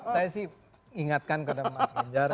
saya sih ingatkan kepada mas ganjar